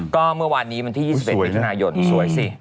ก็เมื่อวานนี้วันที่๒๑มิถุนายนสวยสิ